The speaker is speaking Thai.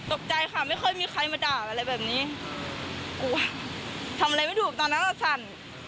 ตกใจค่ะไม่ค่อยมีใครมาด่าอะไรแบบนี้กลัวทำอะไรไม่ถูกตอนนั้นอ่ะสั่น